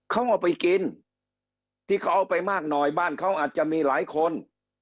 เขาเอาไปกินที่เขาเอาไปมากหน่อยบ้านเขาอาจจะมีหลายคน